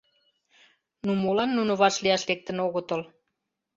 Но молан нуно вашлияш лектын огытыл?